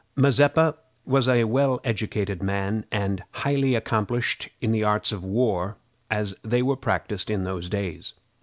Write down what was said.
Mazeppa was a well educated man, and highly accomplished in the arts of war as they were practiced in those days.